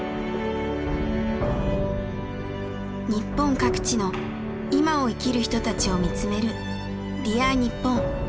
日本各地のいまを生きる人たちを見つめる「Ｄｅａｒにっぽん」。